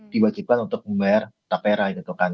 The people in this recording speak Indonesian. diwajibkan untuk membayar tapera gitu kan